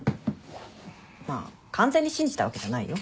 まあ完全に信じたわけじゃないよ。